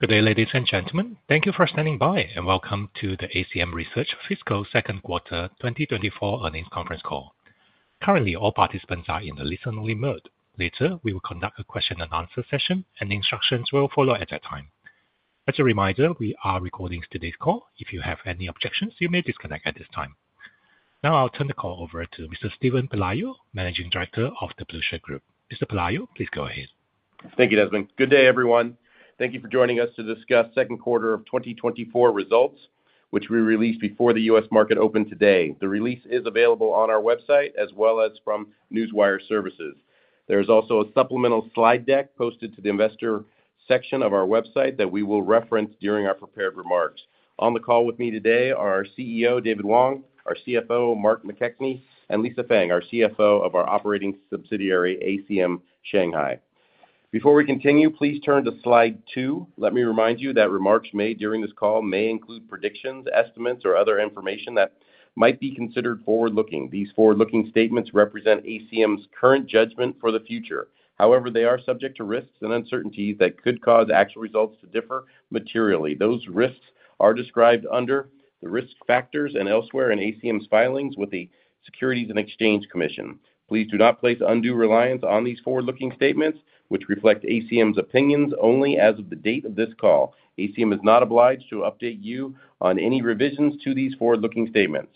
Good day, ladies and gentlemen. Thank you for standing by, and welcome to the ACM Research Fiscal Second Quarter 2024 Earnings Conference Call. Currently, all participants are in a listen-only mode. Later, we will conduct a question and answer session, and instructions will follow at that time. As a reminder, we are recording today's call. If you have any objections, you may disconnect at this time. Now, I'll turn the call over to Mr. Steven Pelayo, Managing Director of the Blueshirt Group. Mr. Pelayo, please go ahead. Thank you, Desmond. Good day, everyone. Thank you for joining us to discuss second quarter of 2024 results, which we released before the U.S. market opened today. The release is available on our website as well as from Newswire Services. There is also a supplemental slide deck posted to the investor section of our website that we will reference during our prepared remarks. On the call with me today are our CEO, David Wang, our CFO, Mark McKechnie, and Lisa Feng, our CFO of our operating subsidiary, ACM Shanghai. Before we continue, please turn to Slide 2. Let me remind you that remarks made during this call may include predictions, estimates, or other information that might be considered forward-looking. These forward-looking statements represent ACM's current judgment for the future. However, they are subject to risks and uncertainties that could cause actual results to differ materially. Those risks are described under the risk factors and elsewhere in ACM's filings with the Securities and Exchange Commission. Please do not place undue reliance on these forward-looking statements, which reflect ACM's opinions only as of the date of this call. ACM is not obliged to update you on any revisions to these forward-looking statements.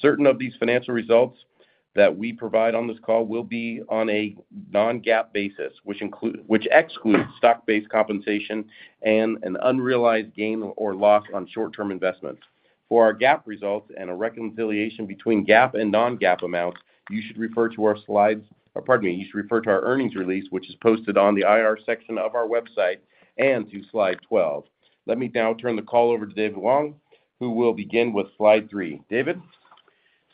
Certain of these financial results that we provide on this call will be on a non-GAAP basis, which include. Which excludes stock-based compensation and an unrealized gain or loss on short-term investments. For our GAAP results and a reconciliation between GAAP and non-GAAP amounts, you should refer to our slides, or pardon me, you should refer to our earnings release, which is posted on the IR section of our website and to Slide 12. Let me now turn the call over to David Wang, who will begin with Slide 3. David?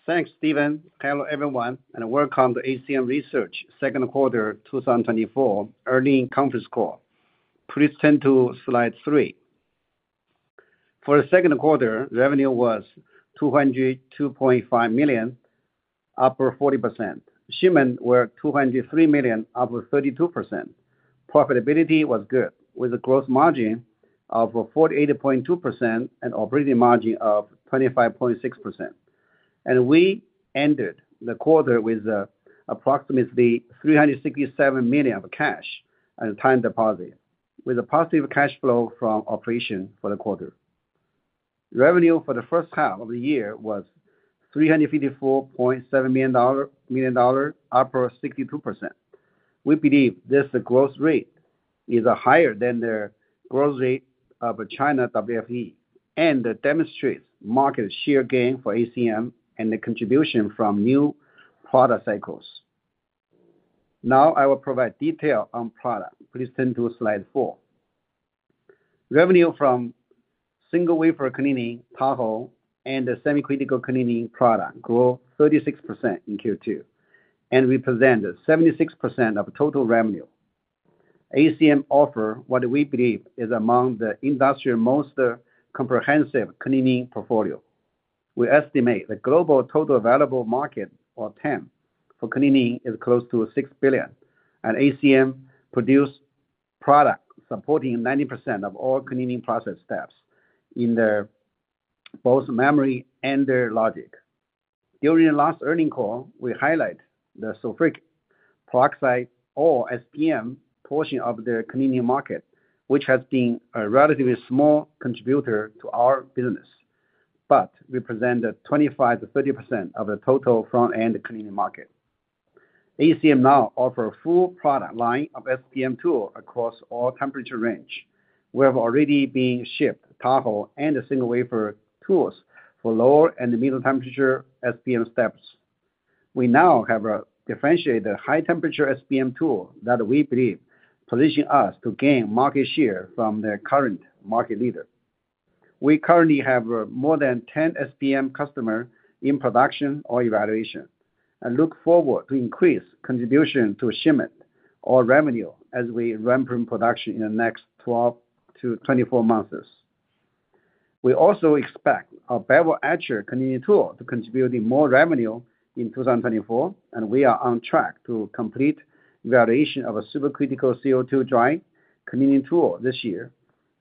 Thanks, Steven. Hello, everyone, and welcome to ACM Research second quarter 2024 earnings conference call. Please turn to Slide 3. For the second quarter, revenue was $202.5 million, up 40%. Shipments were $203 million, up 32%. Profitability was good, with a gross margin of 48.2% and operating margin of 25.6%. And we ended the quarter with approximately $367 million of cash and time deposit, with a positive cash flow from operation for the quarter. Revenue for the first half of the year was $354.7 million, up 62%. We believe this growth rate is higher than the growth rate of China WFE, and it demonstrates market share gain for ACM and the contribution from new product cycles. Now, I will provide detail on product. Please turn to Slide 4. Revenue from single wafer cleaning, Tahoe, and the semi-critical cleaning product grew 36% in Q2, and represented 76% of total revenue. ACM offer what we believe is among the industry's most comprehensive cleaning portfolio. We estimate the global total available market, or TAM, for cleaning is close to $6 billion, and ACM produce product supporting 90% of all cleaning process steps in both memory and the logic. During the last earnings call, we highlight the sulfuric peroxide, or SPM, portion of their cleaning market, which has been a relatively small contributor to our business, but represented 25%-30% of the total front-end cleaning market. ACM now offer a full product line of SPM tool across all temperature range. We have already been shipped Tahoe and the single wafer tools for lower and middle temperature SPM steps. We now have a differentiated high temperature SPM tool that we believe position us to gain market share from the current market leader. We currently have more than 10 SPM customer in production or evaluation, and look forward to increase contribution to shipment or revenue as we ramp in production in the next 12-24 months. We also expect our bevel etcher cleaning tool to contribute in more revenue in 2024, and we are on track to complete evaluation of a supercritical CO2 dry cleaning tool this year,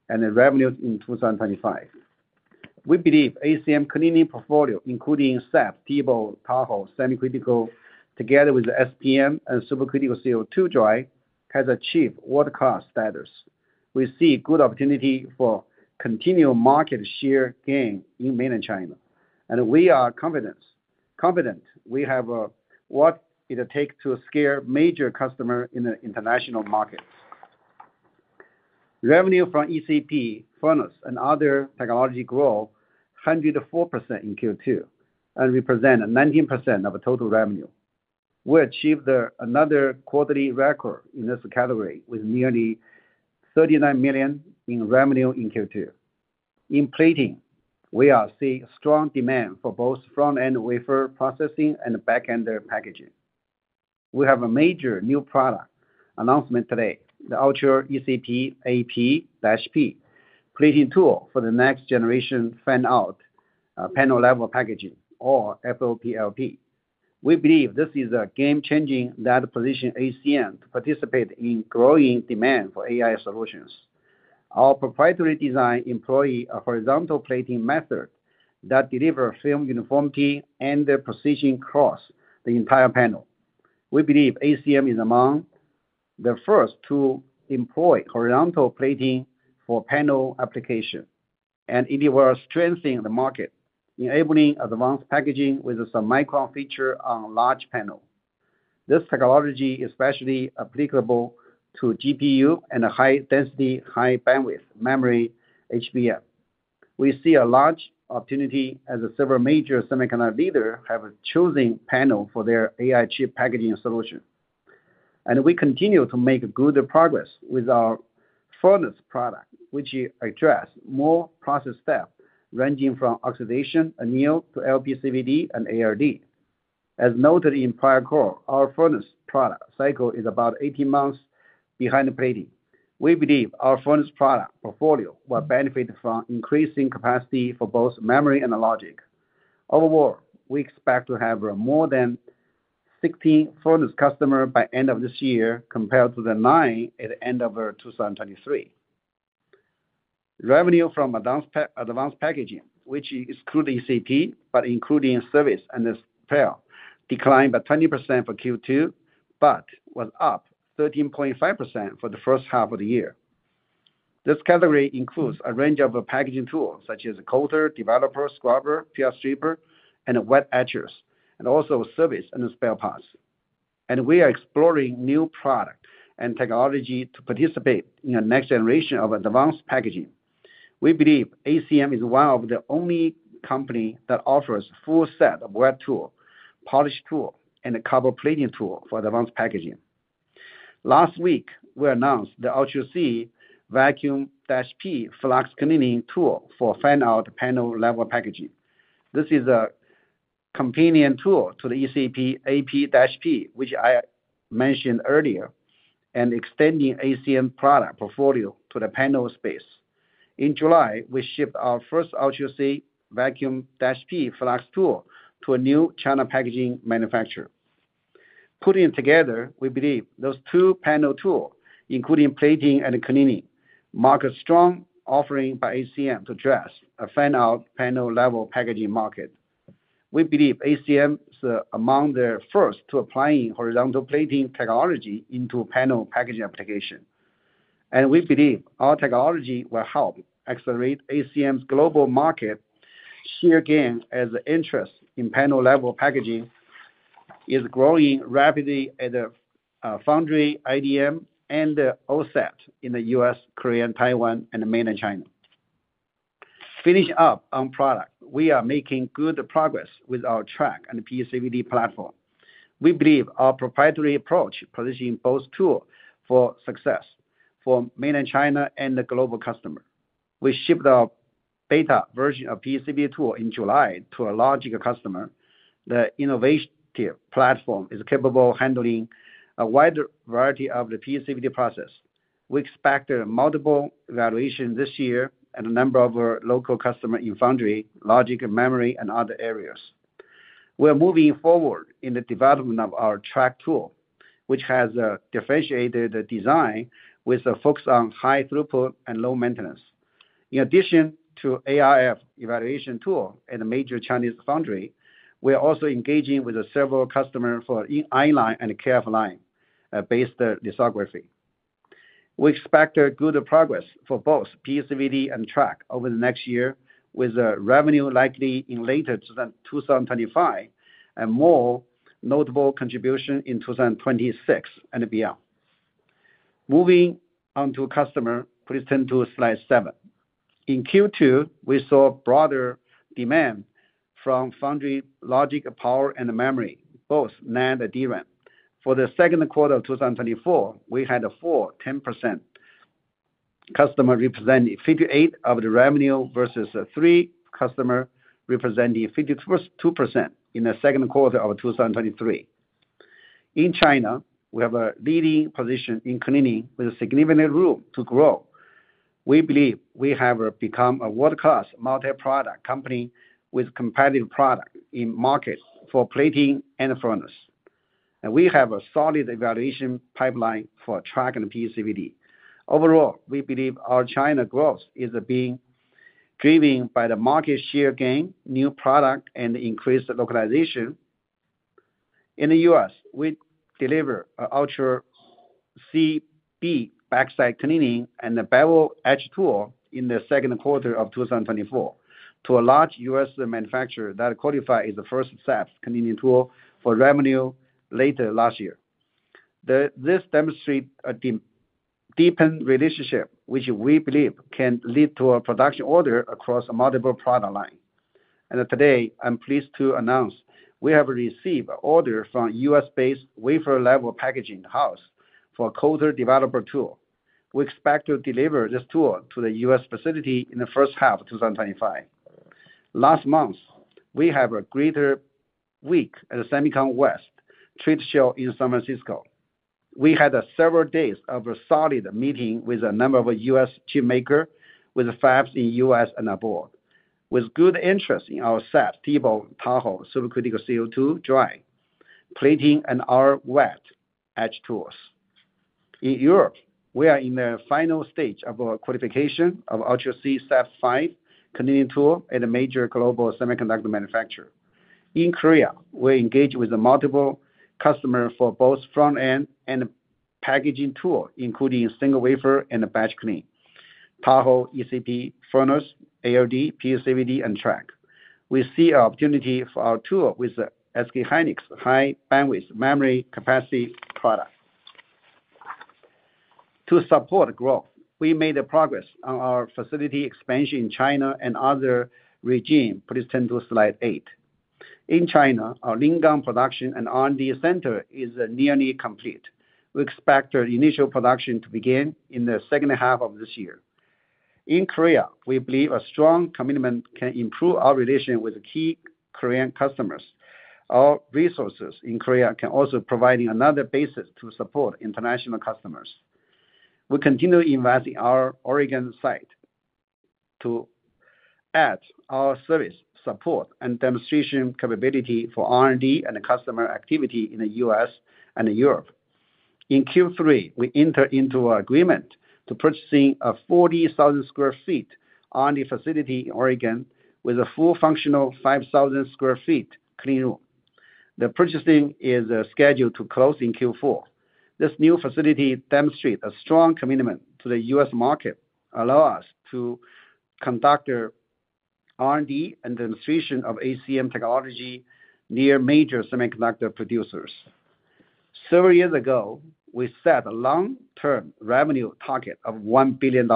and the revenues in 2025. We believe ACM cleaning portfolio, including SAPS, TEBO, Tahoe, Semi-Critical, together with the SPM and Supercritical CO2 dry, has achieved world-class status. We see good opportunity for continued market share gain in mainland China, and we are confident we have what it takes to acquire major customer in the international markets. Revenue from ECP, Furnace, and other technology grow 104% in Q2, and represent 19% of total revenue. We achieved another quarterly record in this category with nearly $39 million in revenue in Q2. In plating, we are seeing strong demand for both front-end wafer processing and back-end packaging. We have a major new product announcement today, the Ultra ECP ap-p plating tool for the next generation fan-out panel level packaging, or FOPLP. We believe this is a game-changing that position ACM to participate in growing demand for AI solutions. Our proprietary design employ a horizontal plating method that delivers film uniformity and the precision across the entire panel. We believe ACM is among the first to employ horizontal plating for panel application, and it will strengthen the market, enabling advanced packaging with some micron feature on large panel. This technology is especially applicable to GPU and a high density, high bandwidth memory HBM. We see a large opportunity as several major semiconductor leader have a choosing panel for their AI chip packaging solution. We continue to make good progress with our furnace product, which address more process step, ranging from oxidation, anneal, to LPCVD and ALD. As noted in prior call, our furnace product cycle is about 18 months behind the plating. We believe our furnace product portfolio will benefit from increasing capacity for both memory and logic. Overall, we expect to have more than 60 furnace customer by end of this year, compared to the 9 at the end of our 2023. Revenue from advanced packaging, which excluding ECP, but including service and spare, declined by 20% for Q2, but was up 13.5% for the first half of the year. This category includes a range of packaging tools, such as Coater, Developer, Scrubber, PR stripper, and wet etchers, and also service and spare parts. We are exploring new product and technology to participate in the next generation of advanced packaging. We believe ACM is one of the only company that offers full set of wet tool, polish tool, and a copper plating tool for advanced packaging. Last week, we announced the Ultra C vac-p flux cleaning tool for fan-out panel level packaging. This is a companion tool to the ECP AP-P, which I mentioned earlier, and extending ACM product portfolio to the panel space. In July, we shipped our first Ultra C vac-p flux tool to a new China packaging manufacturer. Putting together, we believe those two panel tool, including plating and cleaning, mark a strong offering by ACM to address a fan-out panel level packaging market. We believe ACM is among the first to applying horizontal plating technology into panel packaging application. And we believe our technology will help accelerate ACM's global market share gain, as interest in panel level packaging is growing rapidly at the foundry, IDM, and the OSAT in the U.S., Korea, Taiwan, and mainland China. Finish up on product. We are making good progress with our track and PECVD platform. We believe our proprietary approach positioning both tool for success for mainland China and the global customer. We shipped our beta version of PECVD tool in July to a logical customer. The innovative platform is capable of handling a wide variety of the PECVD process. We expect multiple evaluations this year and a number of our local customer in foundry, logic, memory, and other areas. We are moving forward in the development of our track tool, which has a differentiated design with a focus on high throughput and low maintenance. In addition to ArF evaluation tool and a major Chinese foundry, we are also engaging with several customers for i-line and KrF-line based lithography. We expect a good progress for both PECVD and track over the next year, with revenue likely in later 2025 and more notable contribution in 2026 and beyond. Moving on to customer, please turn to slide seven. In Q2, we saw broader demand from foundry, logic, power and memory, both NAND and DRAM. For the second quarter of 2024, we had a 40% customer representing 58% of the revenue versus three customers representing 52% in the second quarter of 2023. In China, we have a leading position in cleaning with significant room to grow. We believe we have become a world-class multi-product company with competitive product in market for plating and furnace. And we have a solid evaluation pipeline for track and PECVD. Overall, we believe our China growth is being driven by the market share gain, new product, and increased localization. In the US, we delivered an Ultra C b backside cleaning and a bevel edge tool in the second quarter of 2024 to a large US manufacturer that qualified as the first steps cleaning tool for revenue later last year. This demonstrate a deepened relationship, which we believe can lead to a production order across multiple product line. Today, I'm pleased to announce we have received an order from U.S.-based wafer-level packaging house for a coater developer tool. We expect to deliver this tool to the U.S. facility in the first half of 2025. Last month, we have a great week at the SEMICON West trade show in San Francisco. We had several days of a solid meeting with a number of U.S. chip maker with fabs in U.S. and abroad. With good interest in our SETF, TEBO, Tahoe, Supercritical CO2 dry, plating, and our wet edge tools. In Europe, we are in the final stage of our qualification of Ultra C SAPS V cleaning tool and a major global semiconductor manufacturer. In Korea, we engage with multiple customers for both front-end and packaging tool, including single wafer and a batch clean. Tahoe, ECP, Furnace, ALD, PECVD, and Track. We see an opportunity for our tool with the SK Hynix high bandwidth memory capacity product. To support growth, we made a progress on our facility expansion in China and other regions. Please turn to slide 8. In China, our Lingang production and R&D center is nearly complete. We expect our initial production to begin in the second half of this year. In Korea, we believe a strong commitment can improve our relation with the key Korean customers. Our resources in Korea can also providing another basis to support international customers. We continue investing our Oregon site to add our service, support, and demonstration capability for R&D and customer activity in the US and Europe. In Q3, we entered into an agreement to purchase a 40,000 sq ft R&D facility in Oregon with a fully functional 5,000 sq ft clean room. The purchase is scheduled to close in Q4. This new facility demonstrates a strong commitment to the U.S. market, allows us to conduct R&D and demonstration of ACM technology near major semiconductor producers. Several years ago, we set a long-term revenue target of $1 billion.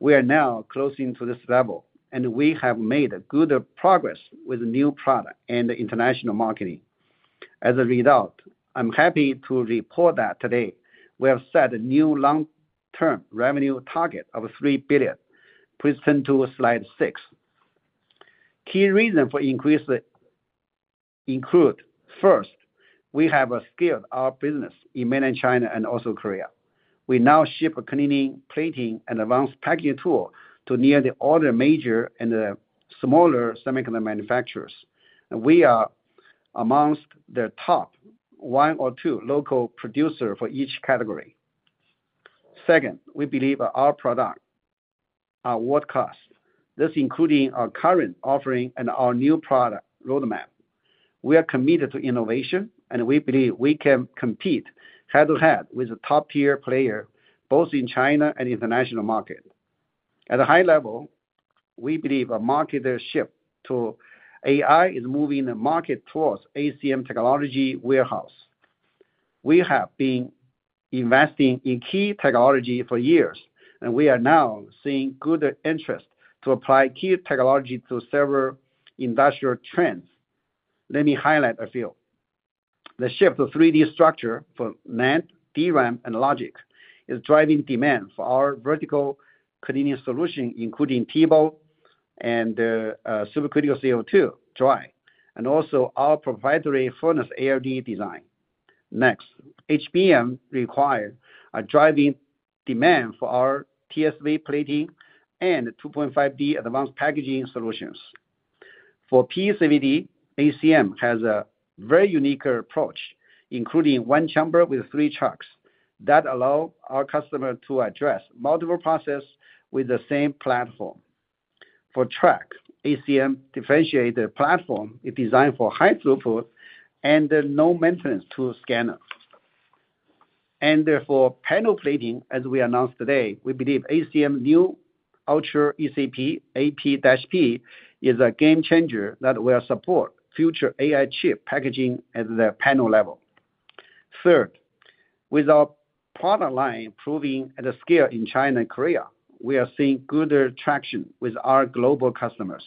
We are now close to this level, and we have made good progress with new products and international marketing. As a result, I'm happy to report that today, we have set a new long-term revenue target of $3 billion. Please turn to slide 6. Key reasons for increase include, first, we have scaled our business in Mainland China and also Korea. We now ship a cleaning, plating, and advanced packaging tool to nearly all the major and the smaller semiconductor manufacturers. We are among the top one or two local producer for each category. Second, we believe our product are world-class. This including our current offering and our new product roadmap. We are committed to innovation, and we believe we can compete head-to-head with the top-tier player, both in China and international market. At a high level, we believe a market share shift to AI is moving the market towards ACM technology whereas. We have been investing in key technology for years, and we are now seeing good interest to apply key technology to several industrial trends. Let me highlight a few. The shift of 3D structure for NAND, DRAM, and logic is driving demand for our vertical cleaning solution, including TEBO and Supercritical CO2 dry, and also our proprietary furnace ALD design. Next, HBM require a driving demand for our TSV plating and 2.5D advanced packaging solutions. For PECVD, ACM has a very unique approach, including one chamber with three tracks that allow our customers to address multiple process with the same platform. For track, ACM differentiate the platform is designed for high throughput and no maintenance tool scanner. And therefore, panel plating, as we announced today, we believe ACM new Ultra ECP AP-P is a game changer that will support future AI chip packaging at the panel level. Third, with our product line improving at a scale in China and Korea, we are seeing good traction with our global customers.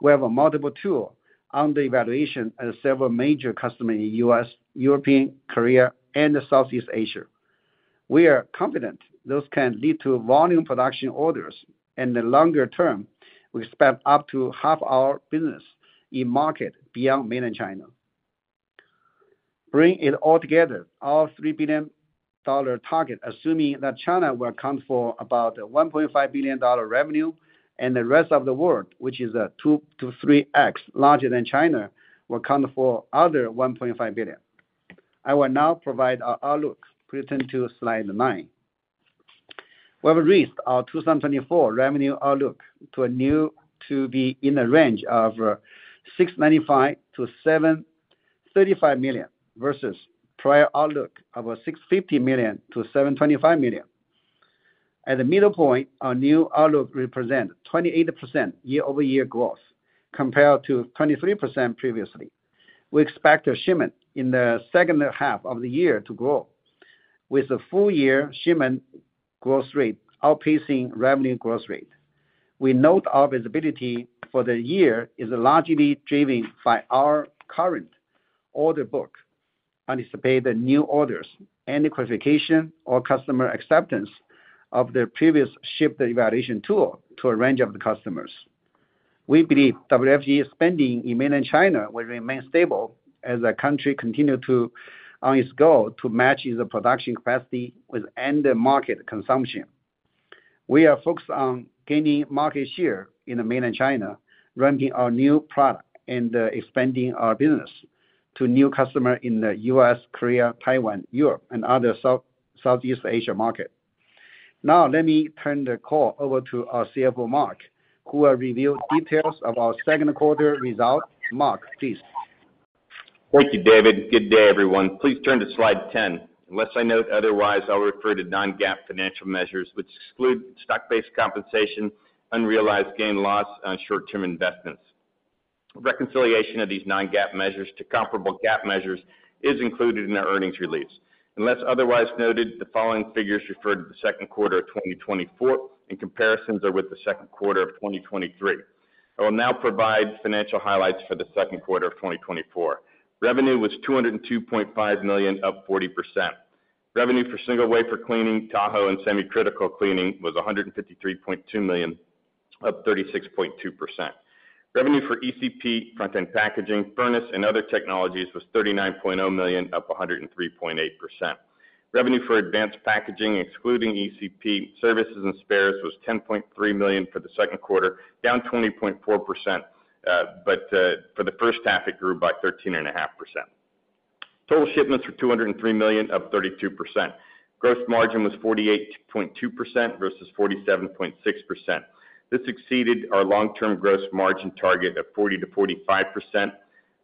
We have multiple tools on the evaluation at several major customers in the U.S., Europe, Korea, and Southeast Asia. We are confident those can lead to volume production orders, and in the longer term, we expect up to half our business in markets beyond Mainland China. Bringing it all together, our $3 billion target, assuming that China will account for about $1.5 billion revenue, and the rest of the world, which is 2x-3x larger than China, will account for the other $1.5 billion. I will now provide our outlook. Please turn to slide nine. We have raised our 2024 revenue outlook to a new to be in the range of $695 million-$735 million, versus prior outlook of $650 million-$725 million. At the middle point, our new outlook represent 28% year-over-year growth, compared to 23% previously. We expect a shipment in the second half of the year to grow, with the full year shipment growth rate outpacing revenue growth rate. We note our visibility for the year is largely driven by our current order book, anticipate the new orders and the qualification or customer acceptance of their previous shipped evaluation tool to a range of the customers. We believe WFE spending in Mainland China will remain stable as the country continue to, on its goal to match the production capacity with end market consumption. We are focused on gaining market share in the Mainland China, ranking our new product and expanding our business to new customer in the U.S., Korea, Taiwan, Europe, and other Southeast Asia market. Now, let me turn the call over to our CFO, Mark, who will reveal details of our second quarter result. Mark, please. Thank you, David. Good day, everyone. Please turn to slide 10. Unless I note otherwise, I'll refer to non-GAAP financial measures, which exclude stock-based compensation, unrealized gain loss on short-term investments. Reconciliation of these non-GAAP measures to comparable GAAP measures is included in our earnings release. Unless otherwise noted, the following figures refer to the second quarter of 2024, and comparisons are with the second quarter of 2023. I will now provide financial highlights for the second quarter of 2024. Revenue was $202.5 million, up 40%. Revenue for single wafer cleaning, Tahoe, and semi-critical cleaning was $153.2 million, up 36.2%. Revenue for ECP, front-end packaging, furnace, and other technologies was $39.0 million, up 103.8%. Revenue for advanced packaging, excluding ECP, services and spares, was $10.3 million for the second quarter, down 20.4%, but for the first half, it grew by 13.5%. Total shipments were $203 million, up 32%. Gross margin was 48.2% versus 47.6%. This exceeded our long-term gross margin target of 40%-45%.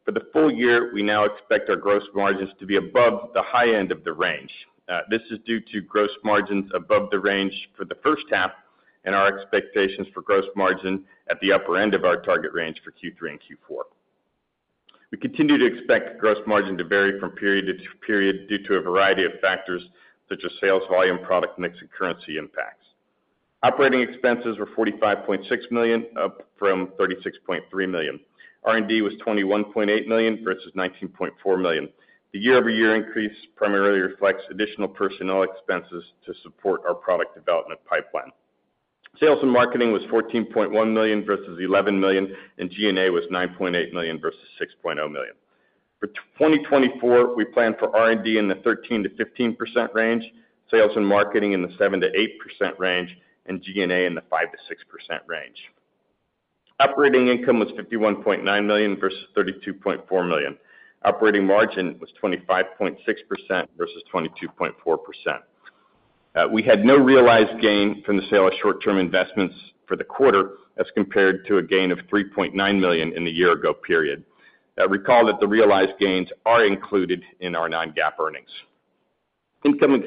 For the full year, we now expect our gross margins to be above the high end of the range. This is due to gross margins above the range for the first half and our expectations for gross margin at the upper end of our target range for Q3 and Q4. We continue to expect gross margin to vary from period to period due to a variety of factors, such as sales volume, product mix, and currency impacts. Operating expenses were $45.6 million, up from $36.3 million. R&D was $21.8 million, versus $19.4 million. The year-over-year increase primarily reflects additional personnel expenses to support our product development pipeline. Sales and marketing was $14.1 million versus $11 million, and G&A was $9.8 million versus $6.0 million. For 2024, we plan for R&D in the 13%-15% range, sales and marketing in the 7%-8% range, and G&A in the 5%-6% range. Operating income was $51.9 million versus $32.4 million. Operating margin was 25.6% versus 22.4%. We had no realized gain from the sale of short-term investments for the quarter, as compared to a gain of $3.9 million in the year ago period. Recall that the realized gains are included in our non-GAAP earnings. Income and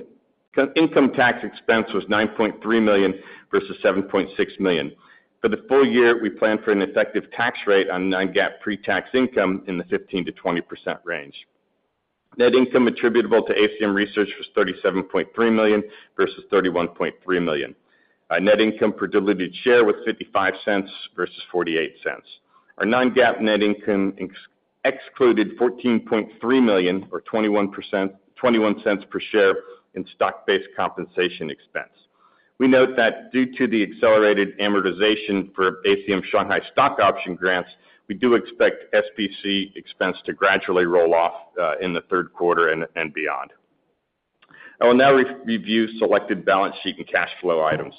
income tax expense was $9.3 million versus $7.6 million. For the full year, we plan for an effective tax rate on non-GAAP pre-tax income in the 15%-20% range. Net income attributable to ACM Research was $37.3 million versus $31.3 million. Net income per diluted share was $0.55 versus $0.48. Our non-GAAP net income excluded $14.3 million, or 21%, $0.21 per share in stock-based compensation expense. We note that due to the accelerated amortization for ACM Shanghai stock option grants, we do expect SBC expense to gradually roll off in the third quarter and beyond. I will now re-review selected balance sheet and cash flow items.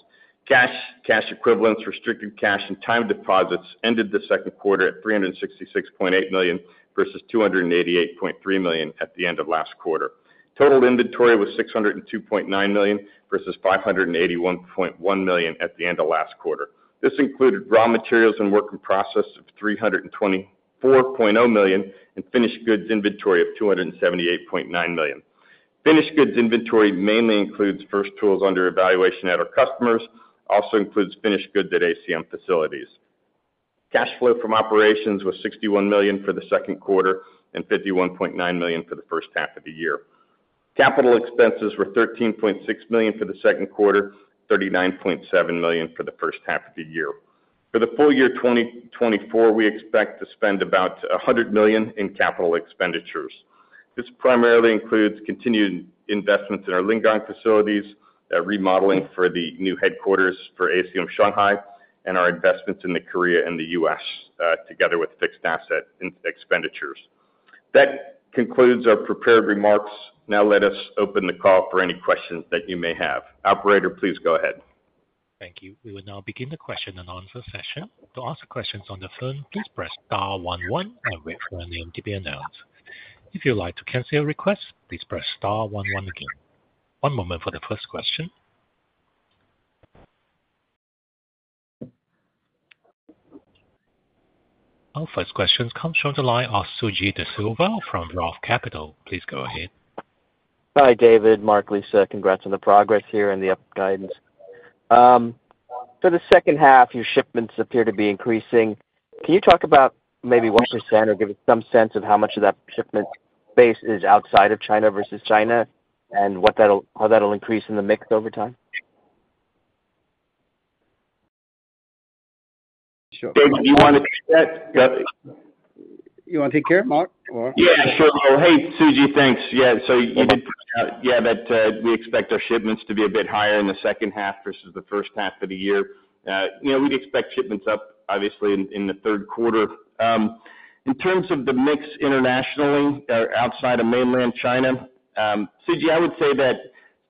Cash, cash equivalents, restricted cash, and time deposits ended the second quarter at $366.8 million versus $288.3 million at the end of last quarter. Total inventory was $602.9 million, versus $581.1 million at the end of last quarter. This included raw materials and work in process of $324.0 million, and finished goods inventory of $278.9 million. Finished goods inventory mainly includes first tools under evaluation at our customers, also includes finished goods at ACM facilities. Cash flow from operations was $61 million for the second quarter and $51.9 million for the first half of the year. Capital expenses were $13.6 million for the second quarter, $39.7 million for the first half of the year. For the full year 2024, we expect to spend about $100 million in capital expenditures. This primarily includes continued investments in our Lingang facilities, remodeling for the new headquarters for ACM Shanghai, and our investments in the Korea and the U.S., together with fixed asset in expenditures. That concludes our prepared remarks. Now let us open the call for any questions that you may have. Operator, please go ahead. Thank you. We will now begin the question and answer session. To ask questions on the phone, please press star one one and wait for your name to be announced. If you'd like to cancel your request, please press star one one again. One moment for the first question. Our first question comes from the line of Suji Desilva from Roth Capital. Please go ahead. Hi, David, Mark, Lisa, congrats on the progress here and the up guidance. For the second half, your shipments appear to be increasing. Can you talk about maybe 1% or give us some sense of how much of that shipment base is outside of China versus China, and what that'll, how that'll increase in the mix over time? Sure. Do you want to take that, David? You want to take care of it, Mark, or? Yeah, sure. Hey, Suji, thanks. Yeah, so you did, yeah, that, we expect our shipments to be a bit higher in the second half versus the first half of the year. You know, we'd expect shipments up, obviously, in the third quarter. In terms of the mix internationally, or outside of mainland China, Suji, I would say that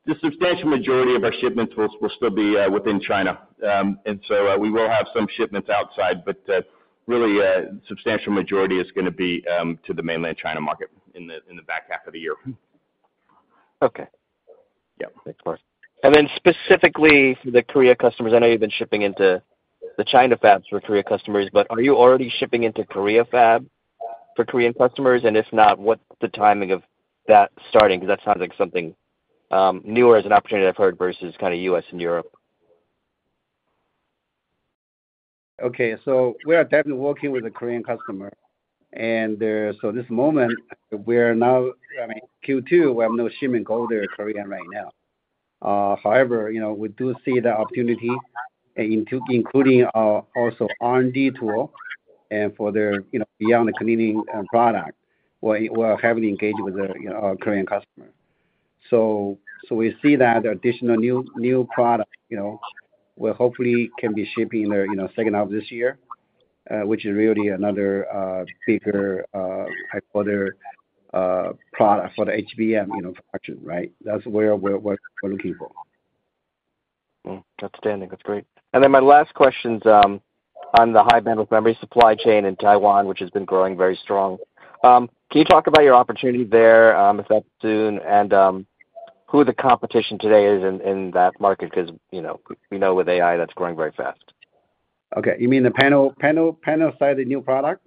the substantial majority of our shipments will still be within China. And so, we will have some shipments outside, but really, substantial majority is gonna be to the mainland China market in the back half of the year. Okay. Yeah. Thanks, Mark. And then specifically for the Korea customers, I know you've been shipping into the China fabs for Korea customers, but are you already shipping into Korea fab for Korean customers? And if not, what's the timing of that starting? Because that sounds like something, newer as an opportunity I've heard versus kind of U.S. and Europe. Okay. So we are definitely working with the Korean customer. And so this moment, we are now, I mean, Q2, we have no shipment go there, Korea, right now. However, you know, we do see the opportunity into including also RND tool and for their, you know, beyond the cleaning product, we're, we're heavily engaged with the, you know, our Korean customer. So, so we see that additional new, new product, you know, will hopefully can be shipping there, you know, second half of this year, which is really another bigger type other product for the HBM, you know, for action, right? That's where we're, we're looking for. Hmm. Outstanding. That's great. And then my last question's on the high bandwidth memory supply chain in Taiwan, which has been growing very strong. Can you talk about your opportunity there, if that's soon, and who the competition today is in, in that market? Because, you know, we know with AI, that's growing very fast. Okay. You mean the panel, panel, panel-sided new product?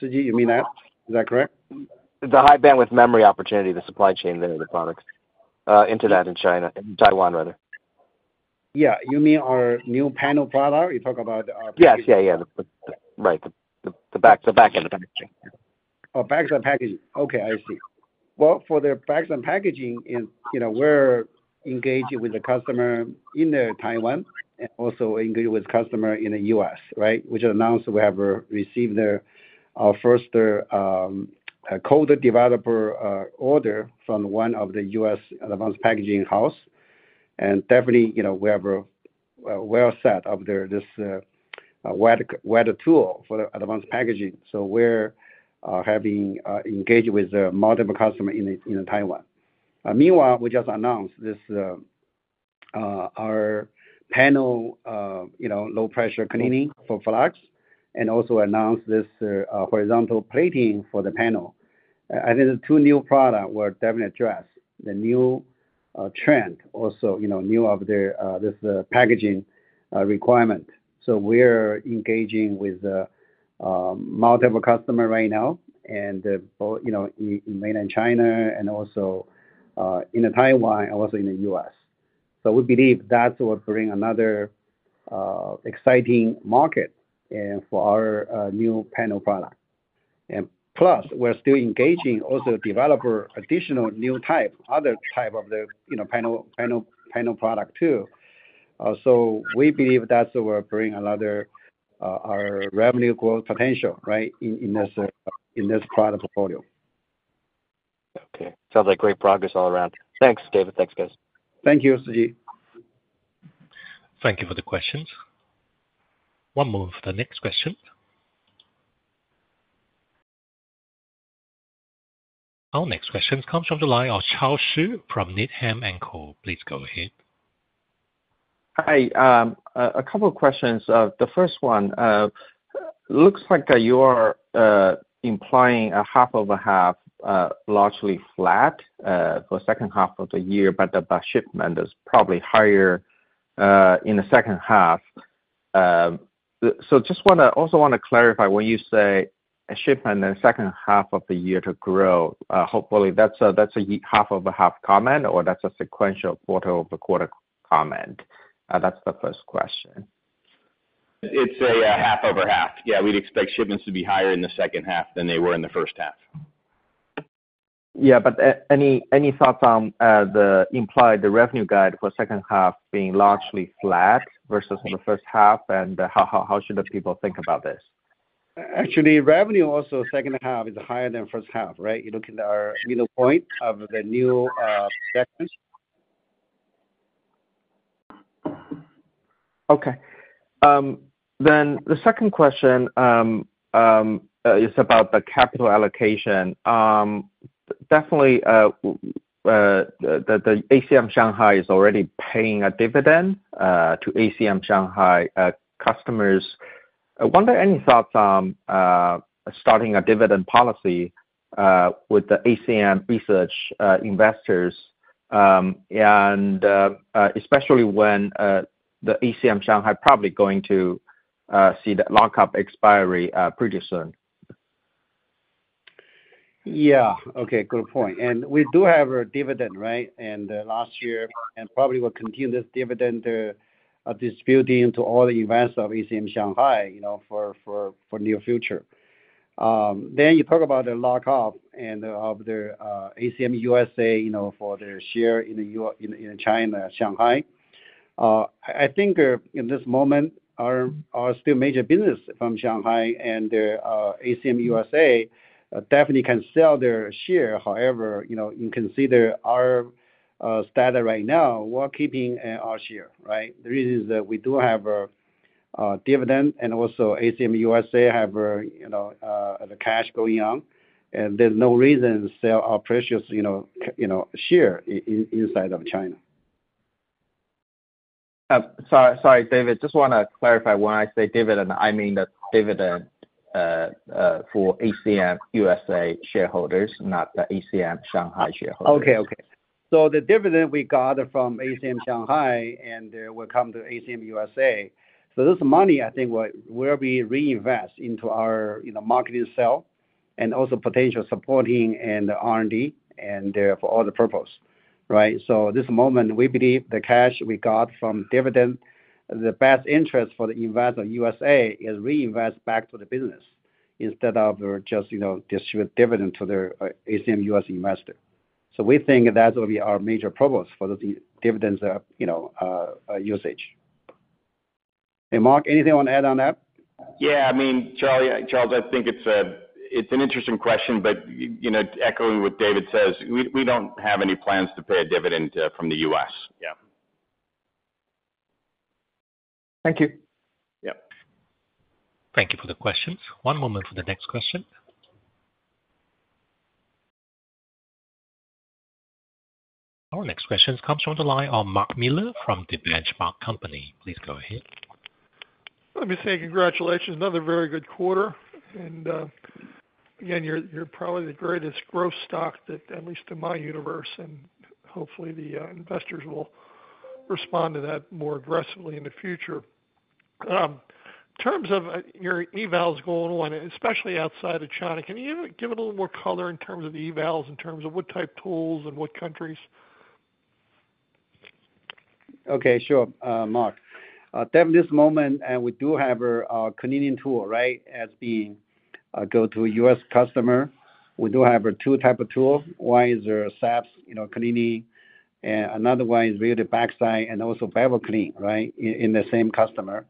Suji, you mean that? Is that correct? The high bandwidth memory opportunity, the supply chain, the end products, into that in China, Taiwan, rather. Yeah. You mean our new panel product? You talk about our- Yes. Yeah, yeah. The right, the back end. Oh, backs of packaging. Okay, I see. Well, for the backs and packaging, and, you know, we're engaging with the customer in Taiwan and also engaging with customer in the U.S., right? Which we announced we have received our first coater developer order from one of the U.S. advanced packaging house. And definitely, you know, we have a well set up there, this wet etcher tool for the advanced packaging. So we're having engaged with multiple customer in Taiwan. Meanwhile, we just announced this our panel low pressure cleaning for flux, and also announced this horizontal plating for the panel. And these are two new product we're definitely address the new trend, also, you know, needs of the this packaging requirement. So we're engaging with multiple customer right now, and both, you know, in mainland China and also in the Taiwan and also in the U.S. So we believe that will bring another exciting market for our new panel product. And plus, we're still engaging also developer additional new type, other type of the, you know, panel product too. So we believe that will bring another our revenue growth potential, right, in this product portfolio. Okay. Sounds like great progress all around. Thanks, David. Thanks, guys. Thank you, Suji. Thank you for the questions. One moment for the next question. Our next question comes from the line of Charles Shi from Needham & Company. Please go ahead. Hi. A couple of questions. The first one looks like you are implying a half over half largely flat for second half of the year, but the shipment is probably higher in the second half. So just wanna also wanna clarify, when you say a shipment in the second half of the year to grow, hopefully that's a, that's a y- half over half comment, or that's a sequential quarter over quarter comment? That's the first question. It's a half over half. Yeah, we'd expect shipments to be higher in the second half than they were in the first half. Yeah, but any thoughts on the implied revenue guide for second half being largely flat versus in the first half, and how should the people think about this? Actually, revenue also second half is higher than first half, right? You look at our middle point of the new segments. Okay. Then the second question is about the capital allocation. Definitely, the ACM Shanghai is already paying a dividend to ACM Shanghai customers. I wonder, any thoughts on starting a dividend policy with the ACM Research investors, and especially when the ACM Shanghai probably going to see the lockup expiry pretty soon? Yeah. Okay, good point. And we do have a dividend, right? And, last year, and probably will continue this dividend, distributing to all the investors of ACM Shanghai, you know, for, for, for near future. Then you talk about the lockup and of the, ACM U.S.A., you know, for their share in the in, in China, Shanghai. I think, in this moment, our still major business from Shanghai and, ACM USA definitely can sell their share. However, you know, you can see there are standard right now, we're keeping our share, right? The reason is that we do have a dividend, and also ACM U.S.A. have, you know, the cash going on, and there's no reason to sell our precious, you know, share inside of China. Sorry, sorry, David. Just wanna clarify. When I say dividend, I mean the dividend, for ACM U.S.A. shareholders, not the ACM Shanghai shareholders. Okay, okay. So the dividend we got from ACM Shanghai, and will come to ACM U.S.A. So this money, I think, will be reinvest into our, you know, marketing sell and also potential supporting and R&D and, for all the purpose, right? So this moment, we believe the cash we got from dividend, the best interest for the investor U.S.A. is reinvest back to the business instead of, just, you know, distribute dividend to the, ACM U.S. investor. So we think that will be our major purpose for the dividends, you know, usage. Hey, Mark, anything you want to add on that? Yeah, I mean, Charlie, Charles, I think it's a, it's an interesting question, but, you know, echoing what David says, we, we don't have any plans to pay a dividend, from the US. Yeah. Thank you. Yep. Thank you for the questions. One moment for the next question. Our next question comes from the line of Mark Miller from The Benchmark Company. Please go ahead. Let me say congratulations. Another very good quarter, and again, you're probably the greatest growth stock that at least in my universe, and hopefully the investors will respond to that more aggressively in the future. Terms of your evals going on, especially outside of China, can you give a little more color in terms of evals, in terms of what type tools and what countries? Okay, sure, Mark. At this moment, and we do have a cleaning tool, right? As the go-to U.S. customer, we do have a two type of tool. One is the SAPS, you know, cleaning, another one is really the backside and also vapor clean, right, in the same customer.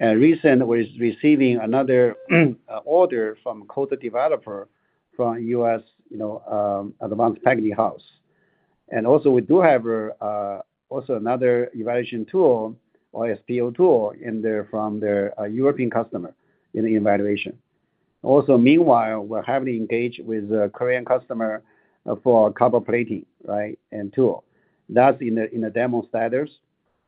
And recently, we're receiving another order from quarter developer from U.S., you know, advanced packaging house. And also we do have also another evaluation tool or a still tool in there from the European customer in the evaluation. Also, meanwhile, we're heavily engaged with the Korean customer for copper plating, right, and tool. That's in the demo status.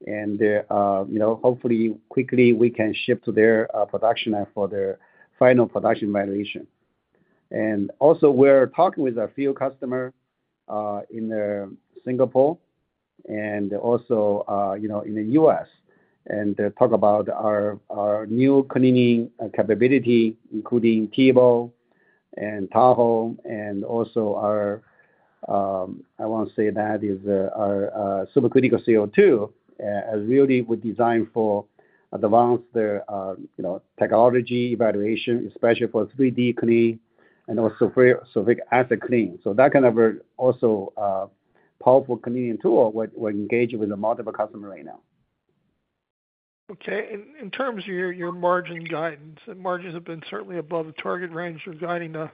And you know, hopefully quickly we can ship to their production and for their final production evaluation. And also we're talking with a few customers in Singapore and also, you know, in the U.S., and talk about our, our new cleaning capability, including TEBO and Tahoe, and also our supercritical CO2, which really we designed for advanced technology evaluation, especially for 3D clean and also for acidic clean. So that kind of also powerful cleaning tool. We're engaging with multiple customers right now. Okay. In terms of your margin guidance, and margins have been certainly above the target range. You're guiding the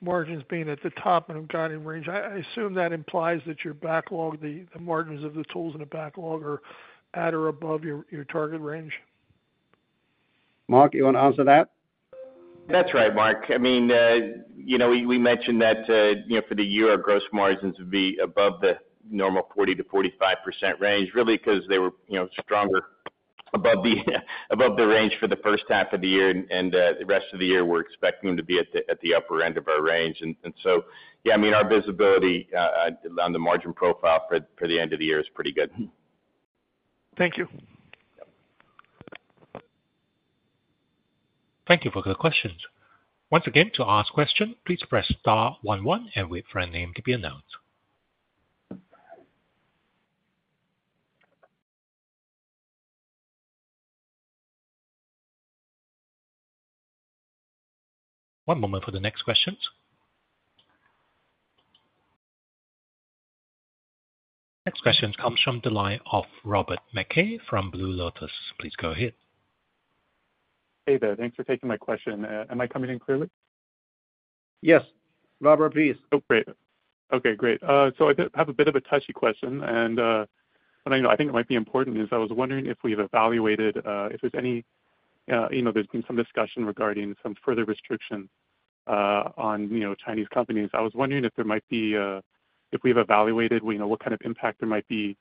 margins being at the top of the guiding range. I assume that implies that your backlog, the margins of the tools in the backlog are at or above your target range? Mark, you want to answer that? That's right, Mark. I mean, you know, we mentioned that, you know, for the year, our gross margins would be above the normal 40%-45% range. Really, because they were, you know, stronger above the range for the first half of the year, and the rest of the year, we're expecting them to be at the upper end of our range. And so, yeah, I mean, our visibility on the margin profile for the end of the year is pretty good. Thank you. Thank you for the questions. Once again, to ask question, please press star one one and wait for your name to be announced. One moment for the next questions. Next question comes from the line of Robert McKay from Blue Lotus. Please go ahead. Hey there. Thanks for taking my question. Am I coming in clearly? Yes, Robert, please. Oh, great. Okay, great. So I did have a bit of a touchy question, and, but I know, I think it might be important, is I was wondering if we've evaluated, if there's any... you know, there's been some discussion regarding some further restrictions, on, you know, Chinese companies. I was wondering if there might be, if we've evaluated, you know, what kind of impact there might be,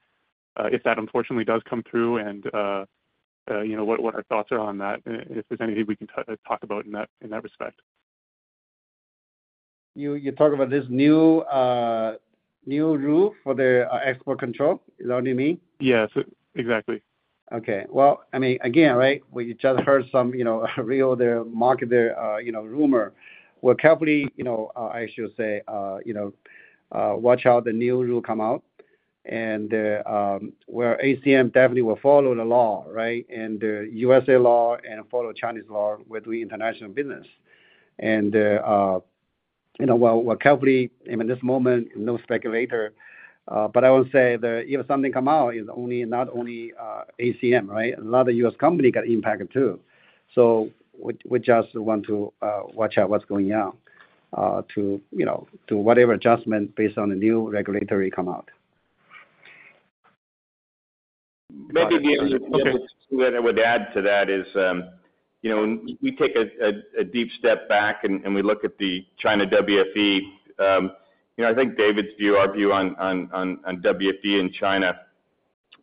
if that unfortunately does come through, and, you know, what, what our thoughts are on that, and if there's anything we can talk about in that, in that respect. You, you talk about this new, new rule for the, export control? Is that what you mean? Yes, exactly. Okay. Well, I mean, again, right, we just heard some, you know, real market rumor. We're carefully, you know, I should say, you know, watch how the new rule come out, and where ACM definitely will follow the law, right? And the U.S.A. law and follow Chinese law with the international business. And, you know, we're carefully, I mean, at this moment, no speculation. But I will say that if something come out, it's not only ACM, right? A lot of U.S. companies got impacted too. So we just want to watch out what's going on, to, you know, do whatever adjustment based on the new regulatory come out. Maybe the other, the other thing that I would add to that is, you know, we take a deep step back, and we look at the China WFE. You know, I think David's view, our view on WFE in China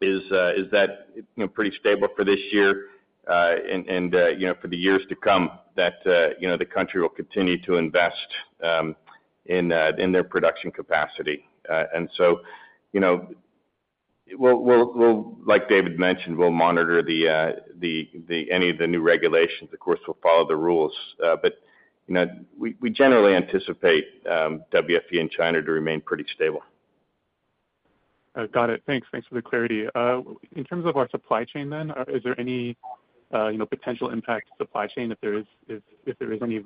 is that, you know, pretty stable for this year, and, you know, for the years to come, that, you know, the country will continue to invest in their production capacity. And so, you know, we'll, we'll, we'll—like David mentioned, we'll monitor the any of the new regulations. Of course, we'll follow the rules, but, you know, we generally anticipate WFE in China to remain pretty stable. Got it. Thanks. Thanks for the clarity. In terms of our supply chain then, is there any, you know, potential impact to supply chain, if any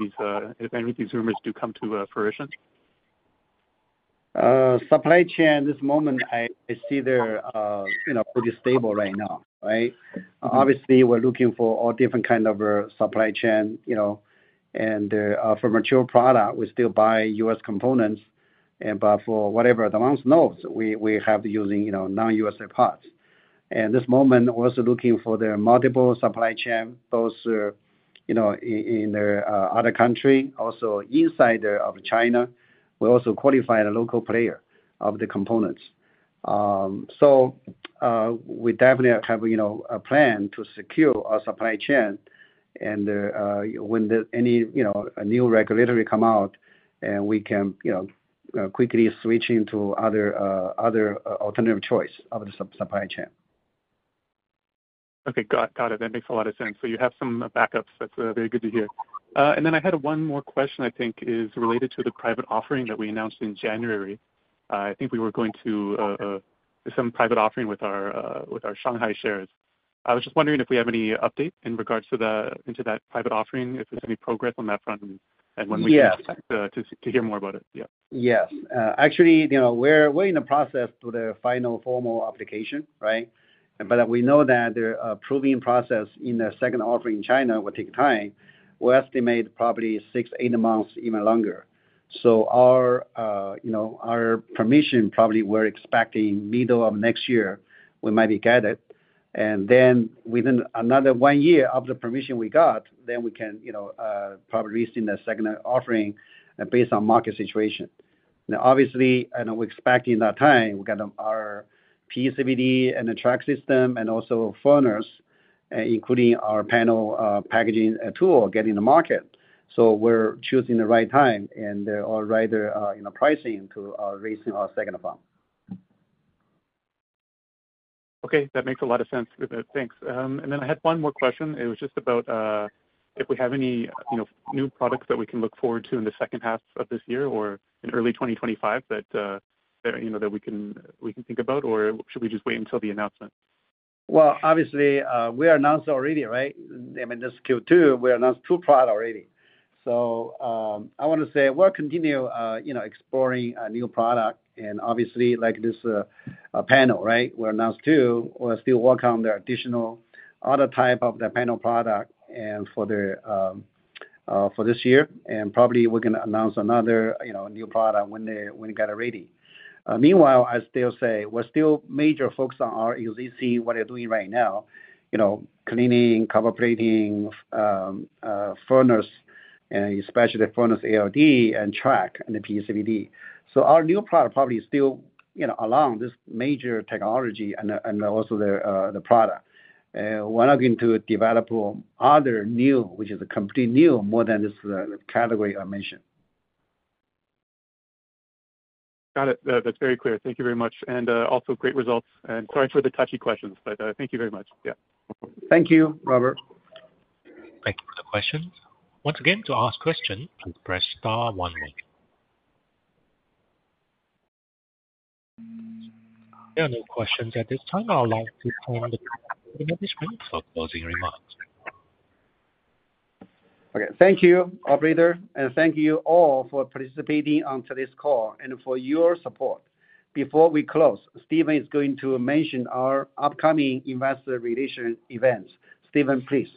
of these rumors do come to fruition? Supply chain, this moment, I see they're, you know, pretty stable right now, right? Obviously, we're looking for all different kind of supply chain, you know, and, for mature product, we still buy U.S. components and but for whatever the amounts notes, we have using, you know, non-U.S.A. parts. And this moment, we're also looking for the multiple supply chain, those, you know, in the other country, also inside of China. We also qualify the local player of the components. So, we definitely have, you know, a plan to secure our supply chain, and, when any, you know, a new regulatory come out, we can, you know, quickly switch into other, other, alternative choice of the supply chain. Okay. Got it. That makes a lot of sense. So you have some backups. That's very good to hear. And then I had one more question, I think, is related to the private offering that we announced in January. I think we were going to do some private offering with our Shanghai shares. I was just wondering if we have any update in regards to that private offering, if there's any progress on that front, and when we- Yes. to hear more about it? Yeah. Yes. Actually, you know, we're, we're in the process to the final formal application, right? But we know that the approving process in the second offering in China will take time. We estimate probably 6-8 months, even longer. So our, you know, our permission, probably we're expecting middle of next year, we might be get it, and then within another 1 year of the permission we got, then we can, you know, probably releasing the second offering based on market situation. Now, obviously, I know we're expecting that time. We got our PECVD and the track system and also furnace, including our panel packaging tool, get in the market. So we're choosing the right time and, or rather, you know, pricing to raising our second bond. Okay, that makes a lot of sense. Thanks. And then I had one more question. It was just about if we have any, you know, new products that we can look forward to in the second half of this year or in early 2025, that, you know, that we can think about, or should we just wait until the announcement? Well, obviously, we announced already, right? I mean, this Q2, we announced two product already. So, I want to say we'll continue, you know, exploring a new product, and obviously, like this, panel, right? We announced two. We're still working on the additional other type of the panel product, and for the, for this year, and probably we're gonna announce another, you know, new product when they, when we get it ready. Meanwhile, I still say we're still major focused on our EUV, what we're doing right now, you know, cleaning, cover plating, furnace, and especially the furnace ALD and track and the PECVD. So our new product probably is still, you know, along this major technology and, and also the, the product. We're looking to develop other new, which is completely new, more than this category I mentioned. Got it. That, that's very clear. Thank you very much, and also great results, and sorry for the touchy questions, but thank you very much. Yeah. Thank you, Robert. Thank you for the question. Once again, to ask question, press star one nine. There are no questions at this time. I would like to turn to management for closing remarks. Okay. Thank you, operator, and thank you all for participating on today's call and for your support. Before we close, Steven is going to mention our upcoming investor relation events. Steven, please.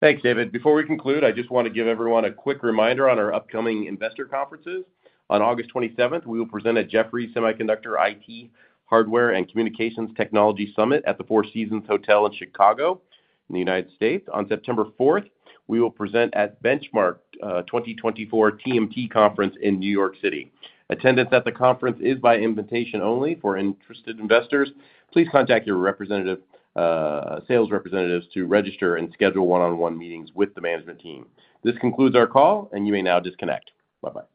Thanks, David. Before we conclude, I just want to give everyone a quick reminder on our upcoming investor conferences. On August 27th, we will present at Jefferies Semiconductor, IT, Hardware and Communications Technology Summit at the Four Seasons Hotel in Chicago, in the United States. On September 4th, we will present at Benchmark 2024 TMT conference in New York City. Attendance at the conference is by invitation only. For interested investors, please contact your representative, sales representatives to register and schedule one-on-one meetings with the management team. This concludes our call, and you may now disconnect. Bye-bye.